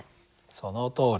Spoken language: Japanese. そのとおり。